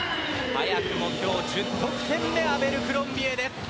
早くも今日、１０得点目アベルクロンビエ。